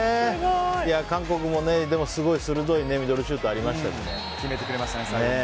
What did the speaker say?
韓国もすごい鋭いミドルシュートがありましたし。